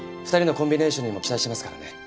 ２人のコンビネーションにも期待してますからね。